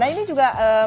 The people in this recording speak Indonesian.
nah ini juga